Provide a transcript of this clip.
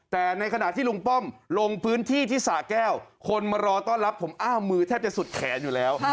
แต่ในขณะที่ลุงป้อมลงพื้นที่ที่สะแก้วคนมารอต้อนรับผมอ้าวมือแทบจะสุดแขนอยู่แล้ว